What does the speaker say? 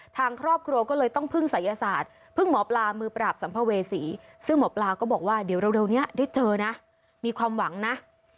ทางครอบครัวก็เลยต้องพึ่งศัยศาสตร์พึ่งหมอปลามือปราบสัมภเวษีซึ่งหมอปลาก็บอกว่าเดี๋ยวเร็วนี้ได้เจอนะมีความหวังนะ